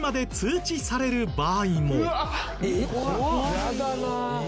嫌だな。